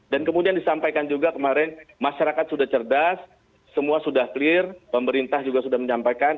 kemudian disampaikan juga kemarin masyarakat sudah cerdas semua sudah clear pemerintah juga sudah menyampaikan